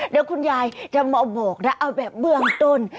เดี๋ยวคุณยายจะมาบอกนะเอาแบบเบื้องต้น